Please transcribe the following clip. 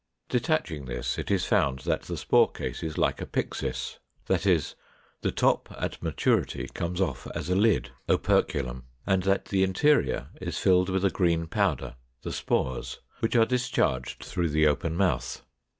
Detaching this, it is found that the spore case is like a pyxis (376), that is, the top at maturity comes off as a lid (Operculum); and that the interior is filled with a green powder, the spores, which are discharged through the open mouth.